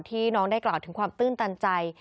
น้องได้กล่าวถึงความตื้นตันใจ